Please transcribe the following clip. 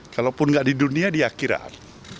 kalaupun nggak di dunia di akhirat